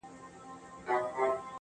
نښه ستا د لاس یې له دیواره ورکه کړې ده